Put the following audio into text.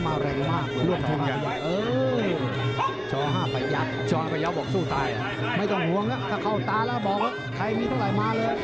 ไม่จำหัวละเข้าตาแล้วบอกใครมีชลายมาเลย